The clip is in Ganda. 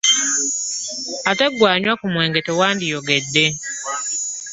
Ate ggwe anywa ku mwenge tewandiyogedde.